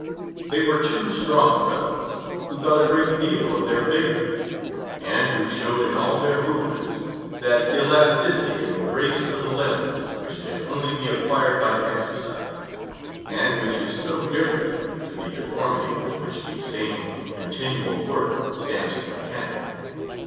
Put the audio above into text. They were two strong fellows, who thought a great deal of their vigor, and who showed in all their movements that elasticity and grace of the limbs which can only be acquired by exercise, and which is so different to the deformity with which the same continual work stamps the mechanic.